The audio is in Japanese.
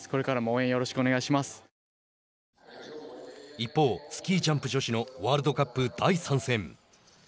一方、スキージャンプ女子のワールドカップ第３戦。